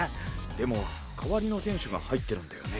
でも代わりの選手が入ってるんだよね？